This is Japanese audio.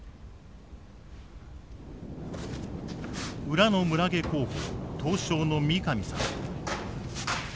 裏の村下候補刀匠の三上さん。